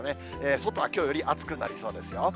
外はきょうより暑くなりそうですよ。